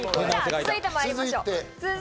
続いて参りましょう。